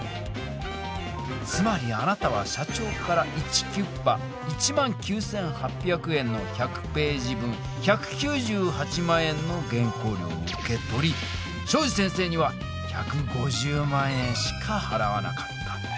つまりあなたは社長からイチキュッパ１９８００円の１００ページ分１９８万円の原稿料を受け取り東海林先生には１５０万円しかはらわなかった。